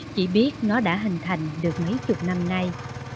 chỉ biết nó đã hình thành được mấy chục năm nay